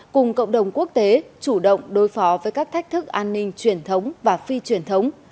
cùng cộng đồng quốc tế chủ động đối phó với các thách thức an ninh truyền thống và phi truyền thống